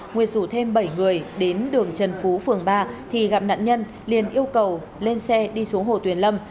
nguyệt rủ thêm bảy người đến đường trần phú phường ba thì gặp nạn nhân liền yêu cầu lên xe đi xuống hồ tuyền lâm